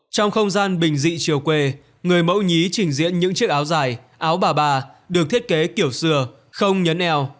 trong không gian bình dị chiều quê người mẫu nhí trình diễn những chiếc áo dài áo bà bà được thiết kế kiểu xưa không nhấn èo